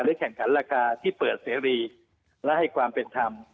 แข่งขันราคาที่เปิดเสรีและให้ความเป็นธรรม